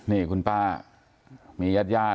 นี่คุณป้ามียาดินที่แล้ว